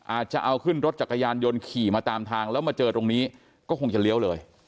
อาจจะเอาขึ้นรถจักรยานยนต์ขี่มาตามทางแล้วมาเจอตรงนี้ก็คงจะเลี้ยวเลย